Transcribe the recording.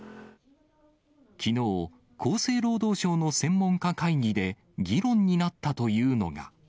きのう、厚生労働省の専門家会議で議論になったというのが。